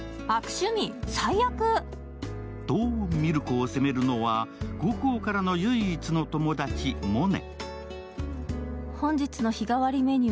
と海松子を責めるのは高校からの唯一の友達、萌音。